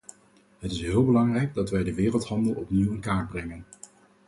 Het is heel belangrijk dat wij de wereldhandel opnieuw in kaart brengen.